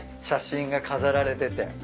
写真が飾られてて。